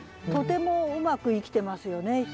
とてもうまく生きてますよね。